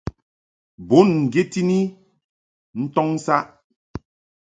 Bùn ŋgyet i ni ntɔŋ saʼ.